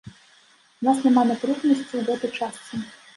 У нас няма напружанасці ў гэтай частцы.